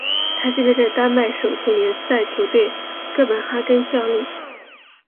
他现在在丹麦手球联赛球队哥本哈根效力。